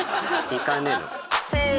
行かねえのか？